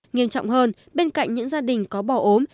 nghiêm trọng hơn bên cạnh những gia đình có bò ốm